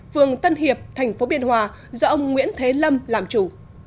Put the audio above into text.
phường tân hiệp tp biên hòa do ông nguyễn thế lâm làm chủ